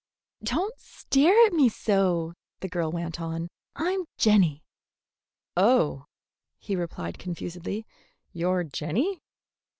"Don't stare at me so," the girl went on. "I'm Jenny." "Oh," he repeated confusedly, "you're Jenny?"